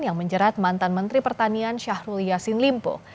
yang menjerat mantan menteri pertanian syahrul yassin limpo